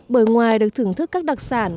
bởi ngoài được thưởng thức các đặc sản